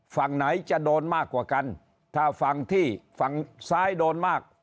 ฝั่งไหนจะโดนมากกว่ากันถ้าฝั่งที่ฝั่งซ้ายโดนมาก